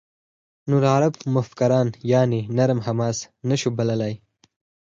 نور عرب مفکران «نرم حماس» نه شو بللای.